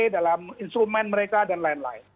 dalam instrumen mereka dan lain lain